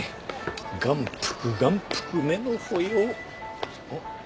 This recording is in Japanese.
眼福眼福目の保養。